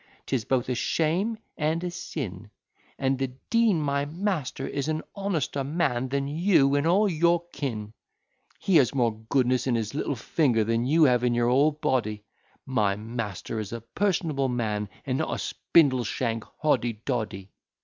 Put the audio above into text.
'tis both a shame and a sin; And the Dean, my master, is an honester man than you and all your kin: He has more goodness in his little finger than you have in your whole body: My master is a personable man, and not a spindle shank hoddy doddy.